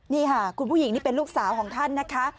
นี่ค่ะคุณผู้หญิงนี่เป็นลูกสาวของท่านนะคะ